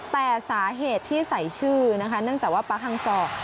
แต่สาเหตุที่ใส่ชื่อนั่นจะว่าปั๊กฮังซอร์